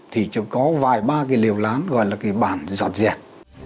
thì chỉ có vài ba cái liều lán gọi là cái bản giọt dẹt